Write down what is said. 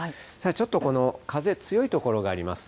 ちょっとこの風、強い所があります。